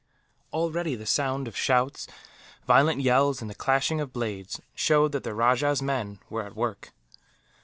Already the sound of shouts, violent yells, and the clashing of blades showed that the rajah's men were at work.